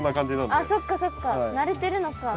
あっそっかそっか慣れてるのか。